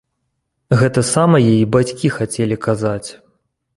Гэта самае й бацькі хацелі казаць.